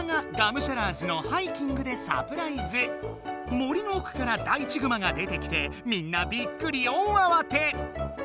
森のおくからダイチぐまが出てきてみんなびっくり大あわて！